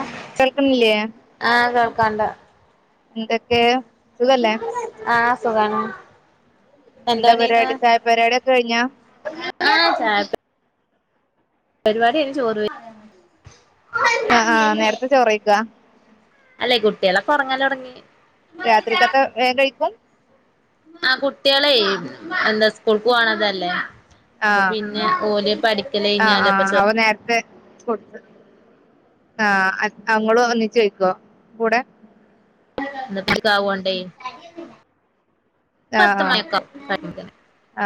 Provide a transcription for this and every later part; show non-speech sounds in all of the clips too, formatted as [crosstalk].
ആഹ് കേൾക്ക്ണ്ല്ലേ ആഹ് കേൾക്കാണ്ട ന്തൊക്കെ സുഖല്ലേ? ആഹ് സുഖാണ്. ന്താ എന്തോണി യ്യ്ണ് പരിവാടി ചായപരിവാടിക്കെ കഴിഞ്ഞാ ആഹ് ചായപ പരിപാടിന്ന് ചോറ് ആഹ് ആഹ് നേരത്തെ ചോറയ്ക്ക അല്ലെ കുട്ട്യളൊക്കെ ഒറങ്ങലൊട്ങ്ങി. രാത്രിക്കത്തെ വേം കഴിക്കും. ആ കുട്ട്യാളെ ന്താ സ്കൂൾക്ക് പോണതല്ലേ അപ്പൊ ആഹ് പിന്നെ ഓല് ആഹ് പഠിക്കലയ്ഞ്ഞാല് അപ്പൊ ആഹ് ചോ അപ്പൊ നേര്ത്തെ ആഹ് ഇങ്ങളും ഒന്നിച്ചയ്ക്കോ കൂടെ ഇന്ന് [unintelligible] പത്ത് ആഹ് ആഹ് മണിക്കെ ആകും കഴിക്കാ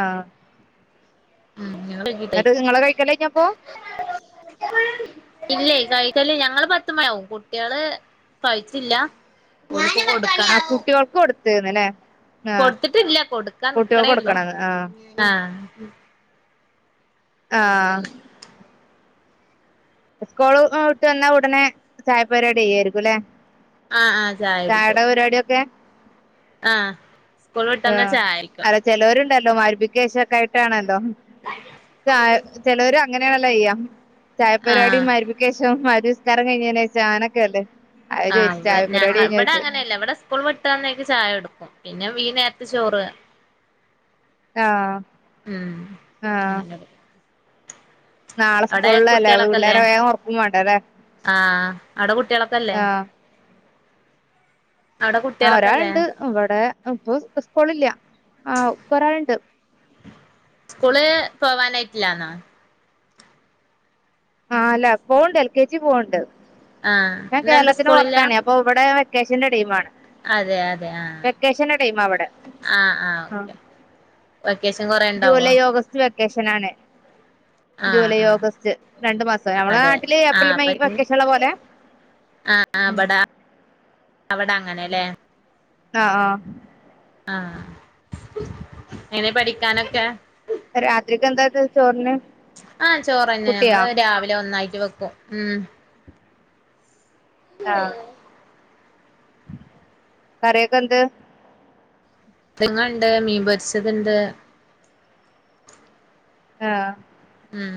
ആഹ് ഉം ഞങ്ങള് വൈകിട്ടാ ന്നിട്ട് കഴിക്ക ഇങ്ങളെ കയ്ക്കലയ്നപ്പോ? [inaudible] ഇല്ലേ. കൈക്കല് ഞങ്ങള് പത്തുമണിയാവും. കുട്ട്യാള് കയ്ച്ചില്ല. ഓൽക്ക് കൊടുക്ക ആഹ് കുട്ട്യോൾക്ക് കൊടുത്ത്ന്ന്ല്ലേ? കൊട്ത്തിട്ടില്ല കൊടുക്കാ നിക്കണേള്ളൂ. കൊടുക്കണന്ന് ആഹ് ഉം ആഹ് ആഹ്. ഉസ്കോള് ആഹ് വിട്ടന്നാ ഉടനെ ചായ പരിവാടിയ്യായിരിക്കുംല്ലേ? ആഹ് ആഹ് ചായ കുടിക്കും ചായേടെ പരിവാടിയൊക്കെ ആഹ് സ്കൂൾ വിട്ടന്ന ആഹ് ചായടിക്കും അല്ല ചെലോരുണ്ടല്ലോ മഗ്രിബിക്കേശൊക്കായിട്ടാണല്ലോ ചായ ചെലോര് അങ്ങനെയണല്ലോയ്യാ ചായപ്പരിവാടി ആഹ് മഗ് ക്കേഷം മഗ്രിബിസ്കാരം കയ്ഞ്ഞീഞ്ഞേഷം അങ്ങനെക്കെല്ലേ? ആഹ് ഇവ ഞങ്ങ ഇവടെങ്ങനെല്ല ഇവടെ സ് കൂൾ വിട്ട്വന്നേക്ക് ചായൊടുക്കും. പിന്നെ ഈ നേരത്ത് ചോറ് ആഹ് ഉം ആഹ്. അങ്ങനെ നാളെ അവിടെ സ്കൂൾല്ലല്ലേ കുട്ടികളൊക്കെല്ലേ പിള്ളേരെ വേഗം ഒറക്കും വാണ്ടേല്ലേ? ആഹ് അവിടെ കുട്ടികളൊക്കെല്ലേ ആഹ്. അവിടെ ആഹ് കുട്ടികളൊക്കെല്ലേ ഒരാള്ണ്ട് ഇവടെ ഇപ്പൊ സ് സ്കൂളില്ല. ആഹ് പ്പൊരാള്ണ്ട്. സ്കൂള് പോവാനായിട്ടില്ലാന്നോ? ആഹ് ല്ല പോണ്ട് എൽ കെ ജി പോണ്ട്. ആഹ് ഞാൻ ഇന്നെന്ത് കേരളത്തിന്റെ സ്കൂളില്ല പൊർത്താണെ. അപ്പൊ ഇവടെ വെക്കേഷന്റെ ടൈമാണ്. അതെ അതെ ആഹ് വെക്കേഷന്റെ ടൈമാവടെ. ആഹ് ആഹ് ഓക്കെ വെക്കേഷൻ കൊറേ ജൂലൈ, ഓഗസ്റ്റ് വെക്കേഷനാണ്. ആഹ് ജൂലൈ, ആഹ് ഓഗസ്റ്റ്. രണ്ട്മാസം ഞമ്മളെ അതെ നാട്ടില് ആഹ് ഏപ്രിൽ, അപ്പൊ മെയ് വെക്കേഷള്ള പോലെ ആഹ് ആഹ് ഉം ബടെ അവടെ അങ്ങനെല്ലേ? ആഹ് ആഹ് ആഹ്. എങ്ങനെ പഠിക്കാനൊക്കെ? രാത്രിക്കെന്താച്ചേ ചോറിന്? ആഹ് ചോറന്നെ. കുട്ടിയാ ഞങ്ങള് രാവിലെ ഒന്നായിട്ട് വെക്കും. ഉം ആഹ്. കറിയൊക്കെ എന്ത്? രിങ്ങണ്ട്, മീപൊരിച്ചത്ണ്ട്. ആഹ്. ഉം.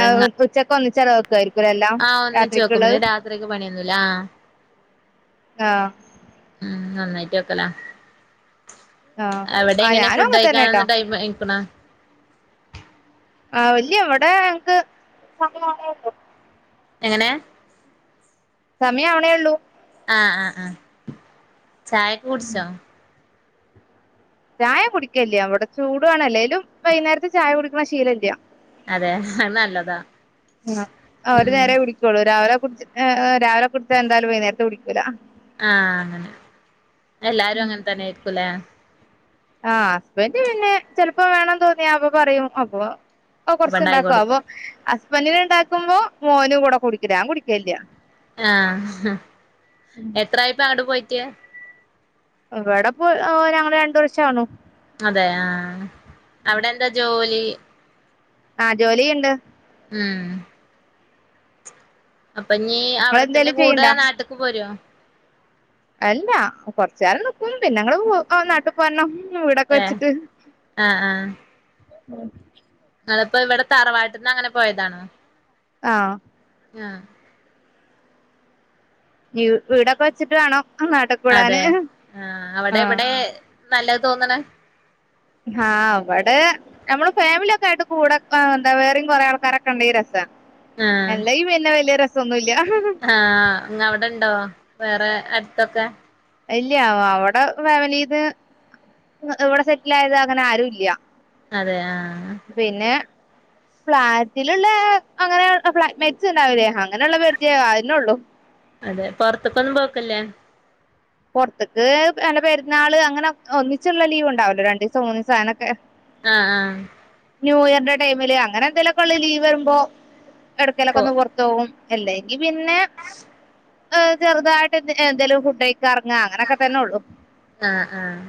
ആഹ് ഉച്ചക്കൊന്നിച്ചങ്ങ്ട് വെക്കായിരിക്കൂലേല്ലാം ആഹ് ഒന്നിച്ച് വെക്കും രാത്രിക്ക്‌ള്ളത്? പിന്നെ രാത്രിക്ക് പണിയൊന്നൂല്ലാ ആഹ്. ആഹ്. ഉം ഒന്നായിട്ട് വെക്കലാ. ആഹ് ആഹ് അവിടെങ്ങനെ ഞാനും അങ്ങനെ തന്നെട്ടോ ഫുഡഴിക്കാന്ള്ള ടൈമായിക്ക്‌ണാ? ആഹ് ഇല്ല്യാ ഇവടെ ഞങ്ങക്ക്‌ സമയാവ്ണേള്ളൂ. എങ്ങനെ? സമയാവ്ണേള്ളൂ. ആഹ് ആ ആഹ്. ചായൊക്കെ കുടിച്ചോ? ചായ കുടിക്കലില്ല്യാ. വടെ ചൂടോള്ളേണ്. അല്ലേലും വൈന്നേരത്ത് ചായ കുടിക്കണ ശീലീല്ല്യ. അതെ? അത് നല്ലതാ. ആഹ്. ആഹ് ഒരു ഉം നേരെ കുടിക്കൊള്ളൂ. രാവിലെ കുടിച് ആഹ് ആഹ് രാവിലെ കുടിച്ച എന്തായാലും വൈന്നേരത്ത് കുടിക്കൂല. ആഹ് അങ്ങനെ. എല്ലാരും അങ്ങൻതന്നെ ആയിരിക്കുംലേ? ആഹ് ഹസ്ബൻഡ് പിന്നെ ചെൽപ്പോ വേണം തോന്നിയാ അപ്പൊ പറയും. അപ്പൊ പ്പോ അപ്പൊ ഉണ്ടാക്കി കൊറച്ച്ണ്ടാക്കും. അപ്പൊ കൊടുക്കും ഹസ്ബൻറിന്ണ്ടാക്കുമ്പോ മോനും കൂടെ കുടിക്കും. ഞാ കുടിക്കലില്ല. ആഹ. എത്രായിപ്പ ആട് പോയിട്ട്? ഇവിടെപ്പോ ആ ഞങ്ങള് രണ്ടു വർഷാവുണു. അതെ ആ. അവിടെ എന്താ ജോലി? ആ ജോലിയുണ്ട്. ഉം. അപ്പ ഞ്ഞി അവിടെത്തന്നെ നിങ്ങളെന്തേലും കൂടെ ചെയ്യണ്ടാ നാട്ട്ക്ക് പോരോ? അല്ല കൊറചാള് നിക്കും. പിന്നെങ്ങള് പോകും. ഓ നാട്ടു പോരണം. വീടൊക്കെ ഏ വെച്ട്ട്. ആഹ് അതിപ്പോ ഇവിടെ തറവാട്ടിന്ന് അങ്ങനെ പോയതാണൊ. ആഹ. ആഹ. വീ വീടൊക്കെ വച്ചിട്ട് വേണം അങ്ങാട്ട അതെ. ആഹ് അവിടെ ഇവിടെ നല്ലത് തോന്നണെ? ഹാ അവടെ, നമ്മള് ഫാമിലി ഒക്കെ ആയിട്ട്, കൂടെ എന്താ വേറെം കൊറെ ആൾക്കാരൊക്കെണ്ടെ രസ. ആഹ് അല്ലേയി പിന്നെ വലിയ രസോന്നുല്ല. ആ അങ് അവിടെണ്ടോ വേറെ അടുത്തൊക്കെ? ഇല്ല്യ അവിടെ [unintelligible] ഇവ്‌ ഇവിടെ സെറ്റിലായത് അങ്ങനെ ആരുല്ല്യ. അതെ ആഹ് ആ. പിന്നെ ഫ്ളാറ്റിലുള്ള അങ്ങനെ ഫ് മെച്ച ഉണ്ടാവില്ലേ, അങ്ങനെയുള്ള പരിചയള്ളൂ അതിന്നെള്ളു. അതെ. പൊറത്തൊക്കൊന്നും പോക്കില്ലേ? പൊറത്ത്‌ക്ക് വല്ല പെരുന്നാള് അങ്ങനെ ഒന്നിച്ചുള്ള ലീവ് ഉണ്ടാവല്ലോ. രണ്ടിസം മൂന്നീസം അങ് നൊക്കെ. ആഹ് ആഹ. ന്യൂ ഇയറിന്റെ ടൈമില് അങ്ങനെ എന്തെലൊക്കെള്ള ലീവ് വരുമ്പോ, പോ ഇടക്കയിലൊക്കെ ഒന്ന് പൊറ ത്തോവും അല്ലങ്കി പിന്നെ, [inaudible] ഏ ചെറുതായിട്ട് എന്തേലും ഫുഡ് കഴിക്ക എറങ്ങ അങ്ങനെക്കെ തന്നെ ഉള്ളു ആഹ ആഹ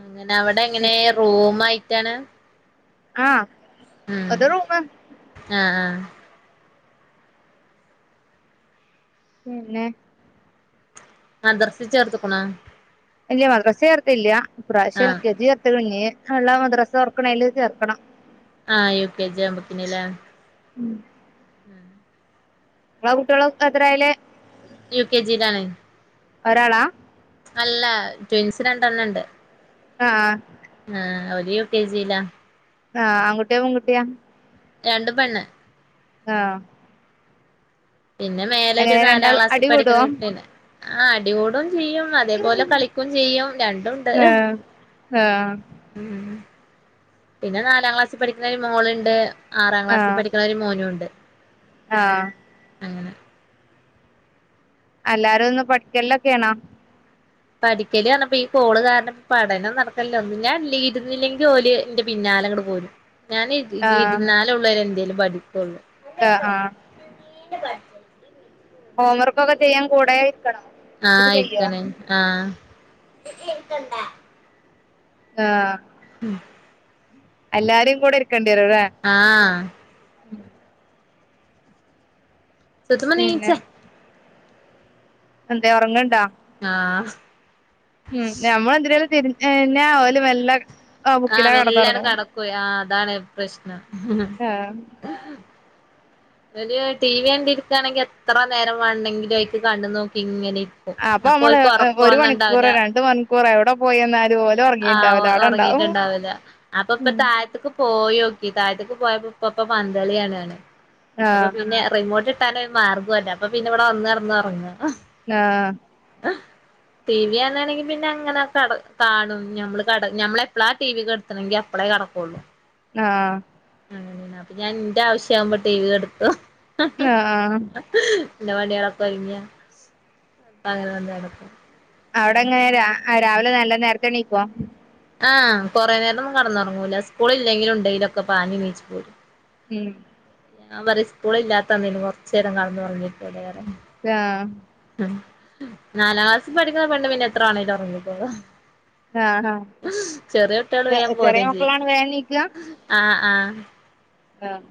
അങ്ങനെ അവിടെ എങ്ങനെ റൂം മായിട്ടാണ് ആ അത്റൂമ് ആഹ ആഹ പിന്നെ മദ്രസ് ചേർത്ത്ക്ണേ ഇല്ല മദ്രാസ ചേർത്തില്ല ഇപ്രാവശ്യ എൽ. ആഹ് കെ. ജി. ചേർത്ത്ണ് മദ്രാസ തോറക്ക്ണേല് ചേർക്കണം ആ യു. കെ. ജി. ആവുമ്പോത്തിന് ലെ ഉം ഉം ങ്ങളെ കുട്ടൃളും എത്രലേ യു കെ ജി ലാണ് ഒരാളാ അല്ല ട്വിൻസ് രണ്ടെണ്ണണ്ട് ആഹ ആഹ ഒര് യൂ കെ ജിലാ ആ ആൺകുട്ടിയേ പെൺകുട്ടിയേ പ രണ്ടും പെണ്ണ് ആഹ പിന്നെ മേലെ ഒരു എങ്ങനെ നാലാം രണ്ടാൾ ക്ലാസ്സിൽ അടി കൂടോ പഠിക്കുന്ന കുട്ടിണ്ട് ആ അടികൂടും ചെയ്യും. മ തേപോലെ കളിക്കും ചെയ്യും രണ്ടുണ്ട് ആഹ ഉം പിന്നെ നാലാം ക്ലാസ്സിൽ പഠിക്കുന്നൊരു മോളുണ്ട് ആറാം ക്ലാസ്സിൽ പഠിക്കുന്നൊരു മോനും ഉണ്ട് ആഹ അങ്ങനെ എല്ലാരും ഒന്ന് പഠിക്കലൊക്കെയാണോ പഠിക്കല് പറഞ്ഞപ്പോ ഈ കോള് കാരണം പഠനം നടക്കല്ലോ ഒന്നും ഞാൻ ഇരുന്നില്ലെങ്കിൽ ഓല് എന്റെ പിന്നാലെ ഇങ്ങട്ട് പോരും ഞാൻ ആഹ് ഇരുന്നാലെ ഉള്ളു എന്തേലും പഠിക്കൂള്ളൂ ആഹ ആഹ ഹോംവർക്ക് ഒക്കെ ചെയ്യാൻ കൂടെ ഇരിക്കണേ ആഹ ഇരിക്കണം ആഹ ആഹ ഉം എല്ലരിം കൂടെ ഇരിക്കേണ്ടി വരൂല്ലേ ആഹ പിന്നെ [inaudible] എന്തേ ഒറങ്ങ്ണ്ടേ ആഹ ഉം നമ്മളെ എന്തിനേലും തിരിഞ്ഞ്കഴിഞ്ഞ ഓല് മെല്ലേ ആഹ മെല്ലേ ഔടെ കടക്കും ആ അതാണ് പ്രശ്നം ആഹ് ഒര് ടി വി കണ്ട് ഇരിക്കണെങ്കിൽ എത്ര നേരം വേണെങ്കിലും കണ്ടു നോക്കി ഇങ്ങനെ ഇരി അപ്പൊ അമ്മള് ഒരു മണിക്കൂർ രണ്ട് മണിക്കൂർ എവിടെ പോയി എന്നാലും ആ ഒറങ്ങിട്ടുണ്ടാവില്ലാ അപ്പൊ ഇപ്പെ ഉം തഴത്ത പൊയ്ക്കി താഴത്തേക്ക് പോയപ്പോ ഇപ്പപ്പ പന്തളിയാണ് അപ്പൊ ആഹ് പിന്നെ റിമോട്ട് കിട്ടാന് ഒരു മാർഗ്ഗല്ല അപ്പൊ പിന്നെ ഇവിടെ വന്ന് കിടന്ന്റങ്ങ ആഹ ടി വി കാണണെങ്കിൽ പിന്നെ അങ്ങനെ കാണും ഞമ്മള് കാടന് ഞമ്മൾ എപ്പളാ ടി വി കെട്ത്ത്ണങ്കി അപ്പളേ കെടക്കേള്ളൂ ആഹ് ഞാൻ എന്റെ ആവശ്യ ആവുമ്പോ ടി വി കെടത്തും ആഹ് [unintelligible] [unintelligible] അവടെ എങ്ങനെ രാവിലെ നല്ല നേരത്തെ എണീക്കോ ആഹ് കൊറെ നേരൊന്നും കെടന്നറങ്ങൂല സ്കൂള ഇല്ലെങ്കിലും ഉണ്ടെങ്കലൊക്കെ പാഞ്ഞ് നീച്ചു പോരും ഉമ് ഞാൻ പറയും സ്കൂള് ഇല്ലാത്തന് കുറച്ചു നേരം കെടന്നു ഉറങ്ങിക്കൊന്ന് ആഹ് ഉമ് നാലാം ക്ലാസ്സിൽ പഠിക്കുന്ന പെണ്ണ് പിന്നെ എത്ര വേണേലും ഉറങ്ങിക്കോളും ആഹ് ചെറിയ കുട്ടികള് വേഗം ആഹ് ചെറിയ പോരും ചെയ്യും മക്കളാണ് വേ എണീക്കാ ആഹ് ആഹ് ആഹ്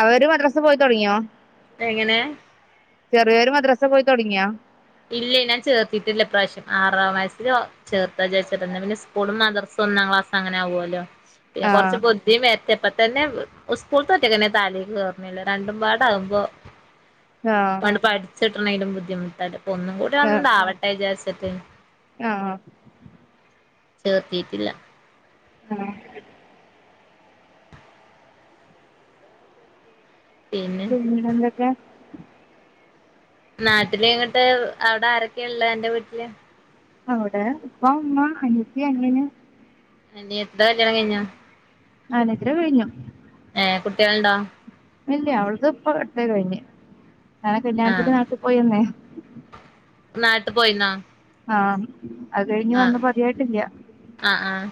അവര് മദ്രസ പോയി തുടങ്ങിയോ എങ്ങനെ ചെറിയോര് മദ്രസ പോയി തുടങ്ങിയാ ഇല്ലെ ഞാൻ ചേർത്തിട്ടില്ല ഇ പ്രാവശ്യം ആറാം വയസിലോ ചേർത്ത വിജാരിച്ചിട്ട് പിന്നേ സ്കൂളും മദർസും ഒന്നാം ക്ലാസ് അങ്ങനെ ആവുമല്ലോ പിന്നെ കൊർച് ആഹ് ബു ഇപ്പതന്നെ സ്കൂളിത്തൊറ്റക്ക്ന്നെ തലേക്ക് കേറണില്ല രണ്ടും പാടകുമ്പോ [inaudible] ആഹ് പഠിച്ചിട്ടണെങ്കിലും ബുദ്ധിമുട്ടല്ല ഇപ്പൊ ഒന്നും കൂടി ആഹ് ഒണ്ടാവട്ടെ വിചാരിചട്ട് ആഹ് ചേർത്തിട്ടില്ല ആഹ് പിന്നെ എന്തൊക്കെ നാട്ടില് ഇങ്ങട്ട് അവിടെ ആരൊക്കെയെ ഉള്ള അന്റെ വീട്ടില് അവടെ ഉപ്പ, ഉമ്മ, അനിയത്തി അനിയൻ, അനിയ ദോ കല്യാണം കയിഞ്ഞ അനിയത്തീടെ കഴിഞ്ഞു ഏഹ് കുട്ട്യാളണ്ടോ? ഇല്ല അവളത് ഇപ്പൊ അടത്തെ കഴിഞ ഞാനെ കല്യാണത്തിന് ആഹ് നാട്ടിൽ പോയിന്നേ നാട്ട് പോയിന്നോ? ആഹ് അത് കഴിഞ്ഞ് ആഹ് വന്ന് അധികയിട്ടില്ല ആഹ് ആഹ്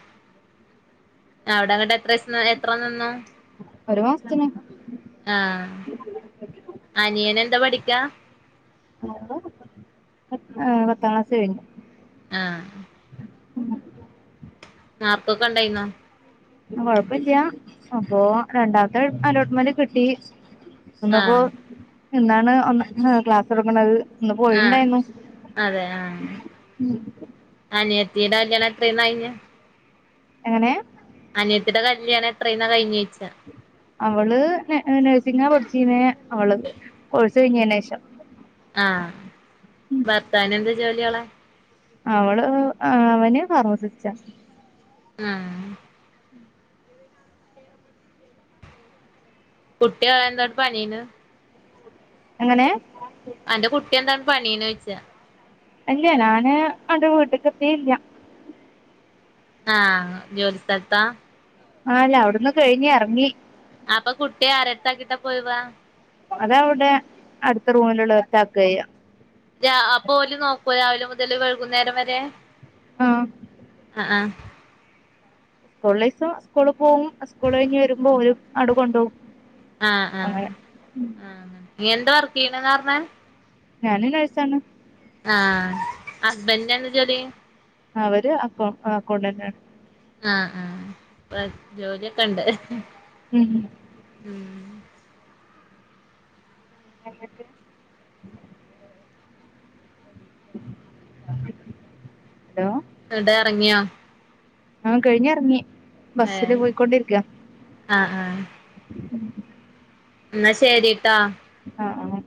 അവിടെ ങ്ങട്ട് ഇത്രീസ എത്ര നിന്നു ഒരു മാസ്ത്തിന് ആഹ് അനിയനന്താ പഠിക്കാ? പത്താം ക്ലാസ് കഴിഞ്ഞു ആഹ് നാപ്പൊക്കെ ഉണ്ടായിന്നോ കൊഴപ്പില്ല അപ്പൊ രണ്ടാമത്തെ അലോട്ട്മെന്റ് കിട്ടി. ഒന്നപ്പോ ആഹ് എന്താണ് ഒന്ന് ക്ലാസ് എടുക്കണത് ഇന്ന് ആഹ് പോയിണ്ടായിരുന്നു അനിയത്തീടെ കല്യാണം എത്രയ്ന്ന കഴിഞ്ഞ എങ്ങനെ? അനിയത്തിടെ കല്യാണം എത്രയ്ന്നാ കഴിഞ്ഞഞ്ഴച്ച അവള് നെ നേഴ്സിങ്ങാ പഠിച്ചിന്നേ അവള് കോഴ്സ് കഴിഞ്ഞയ്ന് ശേഷം. ആഹ് ഭർത്താവിന് എന്താ ജോലിയളാ? അവള് അവന് ഫാർമസിസ്റ്റാ ആഹ് കുട്ടിയ എന്തോണ്ട് പനീന്ന് എങ്ങനെ? അന്റെ കുട്ടി എന്താണ് പനിന്ന് ചോയ്ച ഇല്ല ഞാന് അന്റെ വീട്ടക്ക എത്തി ഇല്ല ആഹ് ജോലി സ്ഥലത്താ- ആല്ല അവിടുന്ന് കഴിഞ്ഞി എറങ്ങി- അപ്പൊ കുട്ടിയ ആരടുത്ത ആക്കിട്ടാ പോയിവാ അതവിടെ അടുത്ത റൂമിലുള്ള ഒരുത്തെ ആകുവ ചെയ്യാ രാ അപ്പ ഓല് നോക്കൂ രാവിലെ മുതല് വൈകുന്നേരം വരെ ആഹ് ആഹ് ആഹ്- സ്‌കൂളില്ലെസം സ്കൂള് പോവും ഉസ്കൂൾ കഴിഞ്ഞ് വരുമ്പോ ഒരു അങ്ങോട്ട് കൊണ്ട് പോവും. ആഹ് ആഹ് ആ നീ എന്താ വർക്ക് ചെയ്യണന്ന് പറഞ്ഞാ- ഞാന് നേഴ്സാണ്- ആഹ് അസ്ബന്ന്ന് എന്താ ജോലി? അവര് അക്കൗ അക്കൗണ്ടന്റ് ആണ് ആഹ് ആഹ് ജോലിയൊക്കെ ഇണ്ട്- ഉം. മ്ഹ് - എന്നട്ട്- ഹലോ- ഇടെ എറങ്ങിയോ? ആഹ് കഴിഞ്ഞെറങ്ങി ബസ്സില് ഏഹ് പോയിക്കൊണ്ടിരിക്ക ആഹ് ആഹ് എന്നാ ശരിട്ടാ. ആഹ് ആഹ്-